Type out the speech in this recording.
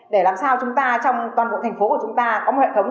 để làm sao chúng ta trong toàn bộ thành phố của chúng ta có một hệ thống